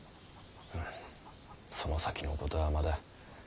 その先のことはまだ。